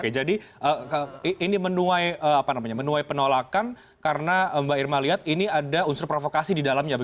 oke jadi ini menuai penolakan karena mbak irma lihat ini ada unsur provokasi di dalamnya